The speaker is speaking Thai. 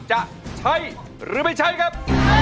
จะใช้หรือไม่ใช้ครับ